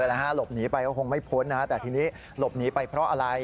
หลบหนีไปก็คงไม่พ้นแต่ทีนี้หลบหนีไปเพราะอะไร